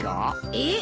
えっ？